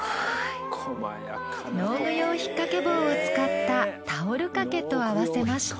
農具用ひっかけ棒を使ったタオル掛けと合わせました。